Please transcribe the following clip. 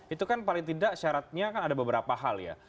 itu kan paling tidak syaratnya kan ada beberapa hal ya